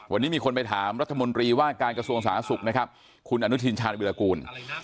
วันนี้มีคนไปถามรัฐมนตรีวาทการกระทรวงสาธารณสุครขุนฐานวิรากูล